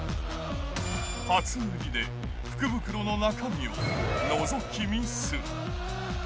初売りで福袋の中身をのぞき見する。